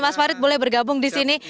mas farid boleh bergabung di sini